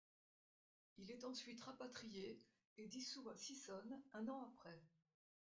Il est ensuite rapatrié et dissous à Sissonne un an après.